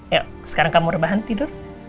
yuk sekarang kamu rebahan tidur